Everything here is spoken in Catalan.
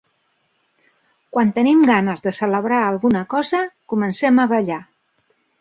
Quan tenim ganes de celebrar alguna cosa, comencem a ballar.